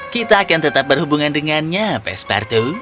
kita akan tetap berhubungan dengannya pespartu